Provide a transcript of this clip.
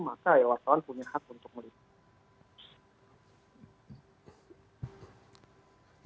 maka ya wartawan punya hak untuk melihat